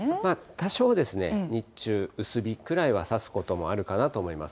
多少ですね、日中、薄日くらいは差すこともあるかなと思います。